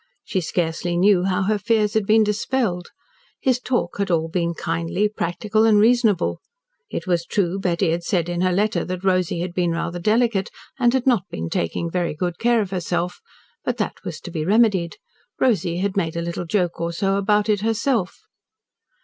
She scarcely knew how her fears had been dispelled. His talk had all been kindly, practical, and reasonable. It was true Betty had said in her letter that Rosy had been rather delicate, and had not been taking very good care of herself, but that was to be remedied. Rosy had made a little joke or so about it herself.